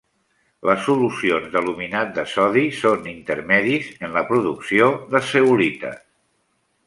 Les solucions d'aluminat de sodi són intermedis en la producció de zeolites.